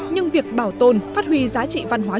nhưng việc bảo tồn phát huy giá trị văn hóa